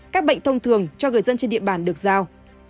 các bệnh thông thường cho người dân trên địa bàn được giao